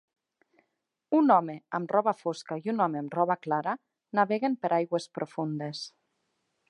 Un home amb roba fosca i un home amb roba clara naveguen per aigües profundes.